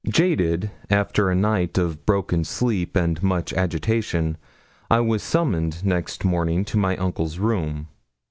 Jaded after a night of broken sleep and much agitation, I was summoned next morning to my uncle's room.